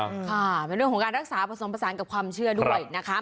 ค่ะเป็นเรื่องของการรักษาผสมผสานกับความเชื่อด้วยนะคะ